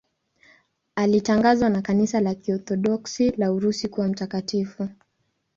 Alitangazwa na Kanisa la Kiorthodoksi la Urusi kuwa mtakatifu.